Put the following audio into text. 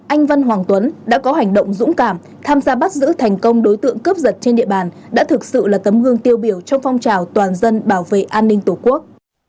anh văn hoàng tuấn đã có hành động dũng cảm tham gia bắt giữ thành công đối tượng cướp giật trên địa bàn đã thực sự là tấm hương tiêu biểu trong phong trào toàn dân bảo vệ an ninh tổ quốc